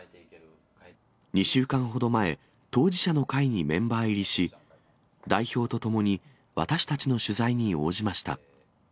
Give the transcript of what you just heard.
２週間ほど前、当事者の会にメンバー入りし、代表と共に私たちの取材に応じました。